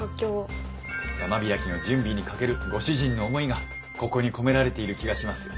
山開きの準備にかけるご主人の思いがここに込められている気がします。